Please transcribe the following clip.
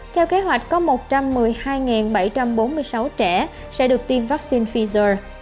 theo kế hoạch có một trăm một mươi hai bảy trăm bốn mươi sáu trẻ sẽ được tiêm vaccine fiser